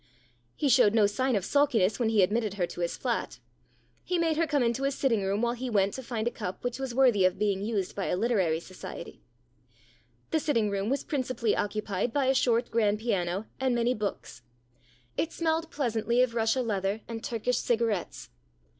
He showed no sign of sulkiness when he admitted her to his flat. He made her come into his sitting room while he went to find a cup which was worthy of being used by a literary society. The sitting room was principally occupied by a short grand piano and many books. It smelled pleasantly of russia leather and Turkish cigarettes.